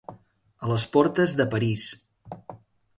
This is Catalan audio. A les portes de París.